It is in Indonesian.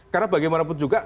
karena bagaimanapun juga